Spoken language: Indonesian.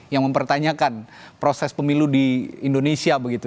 yang mempertanyakan proses pemilu di indonesia begitu